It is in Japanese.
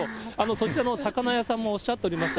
そちらの魚屋さんもおっしゃっておりました。